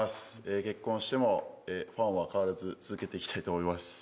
結婚してもファンは変わらず続けていきたいと思います。